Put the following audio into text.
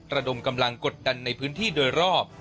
ระดมกำลังกดดันในพื้นที่โดยรอบ